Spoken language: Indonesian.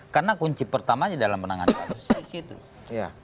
karena kunci pertamanya dalam menangani kasus